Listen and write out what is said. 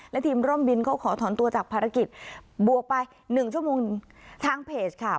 และทีมร่มบินเขาขอถอนตัวจากภารกิจบวกไปหนึ่งชั่วโมงทางเพจค่ะ